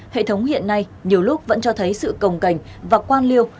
hệ thống hiện nay nhiều lúc vẫn cho thấy sự cồng cành và quan liêu